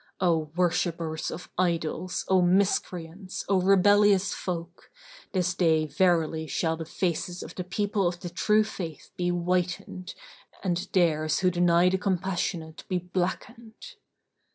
O worshippers of idols, O miscreants, O rebellious folk, this day verily shall the faces of the people of the True Faith be whitened and theirs who deny the Compassionate be blackened!"